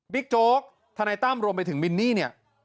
บิ๊กโจ๊กธนัยตั้มรวมไปถึงมินนี่